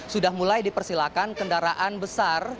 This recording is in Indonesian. sudah mulai dipersilakan kendaraan besar